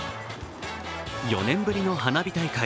４年ぶりの花火大会。